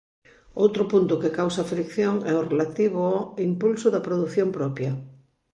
Outro punto que causa fricción é o relativo ao "impulso da produción propia".